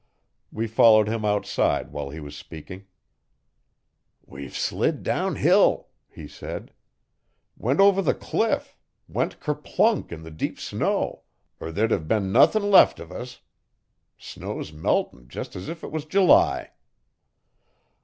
We followed him outside while he was speaking. 'We've slid downhill,' he said. 'Went over the cliff. Went kerplunk in the deep snow, er there'd have been nuthin' left uv us. Snow's meltin' jest as if it was July.'